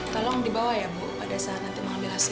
tolong dibawa ya bu pada saat nanti mengambil hasil